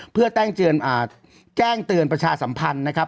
เพื่อแจ้งเตือนประชาสัมพันธ์นะครับ